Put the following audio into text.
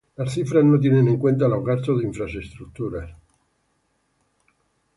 Las cifras no tienen en cuenta los gastos de infraestructuras.